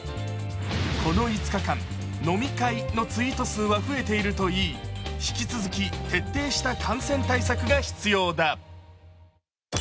この５日間、「飲み会」のツイート数は増えているといい引き続き徹底した感染対策が必要だ。